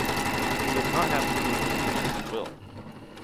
He does not have to be admitted against his will.